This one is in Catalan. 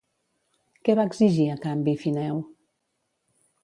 Què va exigir a canvi Fineu?